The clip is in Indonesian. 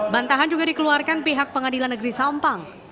bantahan juga dikeluarkan pihak pengadilan negeri sampang